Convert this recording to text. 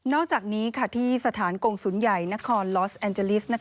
อกจากนี้ที่สถานกงศูนย์ใหญ่นครลอสแอนเจลิส